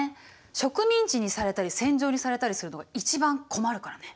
植民地にされたり戦場にされたりするのが一番困るからね。